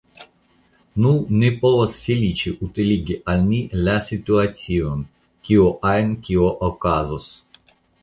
Nu, ni povas feliĉe utiligi al ni la situacion, kio ajn kio okazos.